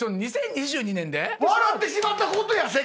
２０２２年で⁉笑ってしまったことや！